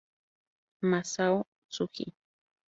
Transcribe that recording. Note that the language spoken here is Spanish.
Masao Tsuji